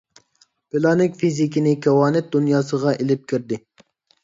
پىلانىك فىزىكىنى كىۋانت دۇنياسىغا ئېلىپ كىردى.